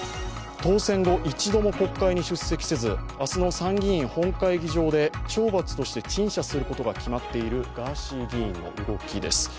当選後一度も国会に出席せず明日の参議院本会議場で懲罰として陳謝することが決まっているガーシー議員の動きです。